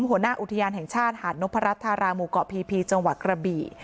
หัวหน้าอุทยานแห่งชาติหาดนพรัชธาราหมู่เกาะพีพีจังหวัดกระบี่